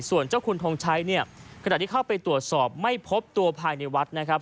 ส่วนเจ้าคุณทงชัยเนี่ยขณะที่เข้าไปตรวจสอบไม่พบตัวภายในวัดนะครับ